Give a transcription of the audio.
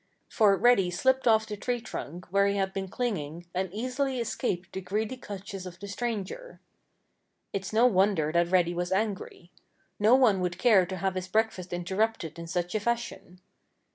For Reddy slipped off the tree trunk where he had been clinging and easily escaped the greedy clutches of the stranger. It's no wonder that Reddy was angry. No one would care to have his breakfast interrupted in such a fashion.